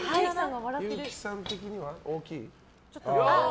憂樹さん的には大きい？